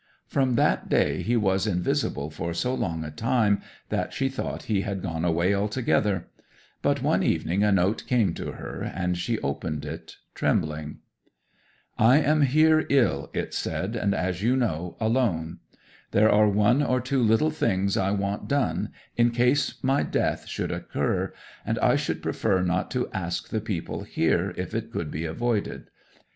'From that day he was invisible for so long a time that she thought he had gone away altogether. But one evening a note came to her, and she opened it trembling. '"I am here ill," it said, "and, as you know, alone. There are one or two little things I want done, in case my death should occur, and I should prefer not to ask the people here, if it could be avoided.